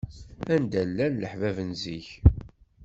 Anda llan leḥbab n zik.